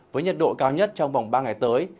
với nhiệt độ cao nhất trong vòng ba ngày tới